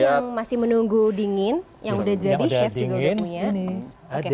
yang masih menunggu dingin yang udah jadi chef juga udah punya